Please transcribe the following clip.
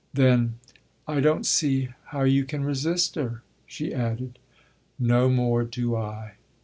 Then: "I don't see how you can resist her," she added. "No more do I!"